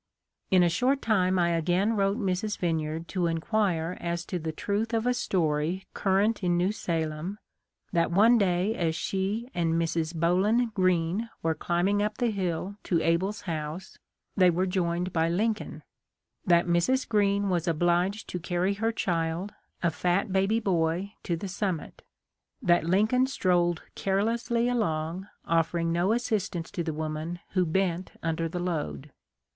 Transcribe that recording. In a short time I again wrote Mrs. Vineyard to enquire as to the truth of a story current in New Salem, that one day as she and Mrs. Bowlin Greene were cHmbing up the hill to Abie's house they were joined by Lincoln ; that Mrs. Greene was obliged to carry her child, a fat baby boy, to the summit ; that Lincoln strolled carelessly along, offering no assistance to the woman who bent under the load.